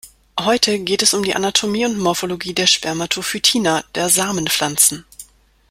Heute geht es um die Anatomie und Morphologie der Spermatophytina, der Samenpflanzen.